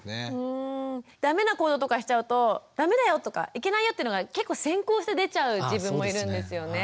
ダメな行動とかしちゃうとダメだよとかいけないよっていうのが結構先行して出ちゃう自分もいるんですよね。